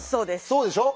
そうでしょ？